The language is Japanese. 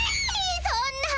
そんなぁ！